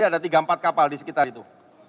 tadi ada tiga puluh empat kapal disekitar itu